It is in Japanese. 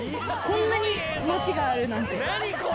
こんなに街があるなんて。